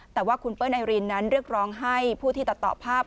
แต่ว่าคุณเปิ้ลไอรินนั้นเรียกร้องให้ผู้ที่ตัดต่อภาพ